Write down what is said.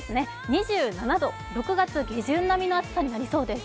２７度、６月下旬並みの暑さになりそうです。